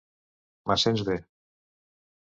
Me sents b